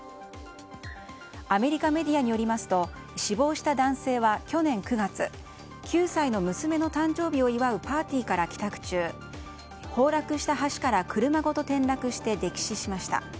アメリカメディアによりますと死亡した男性は去年９月９歳の娘の誕生日を祝うパーティーから帰宅中崩落した橋から車ごと転落して溺死しました。